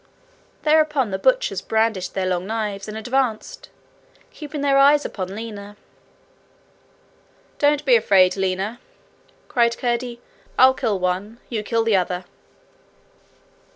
Thereupon the butchers brandished their long knives and advanced, keeping their eyes upon Lina. 'Don't be afraid, Lina,' cried Curdie. 'I'll kill one you kill the other.'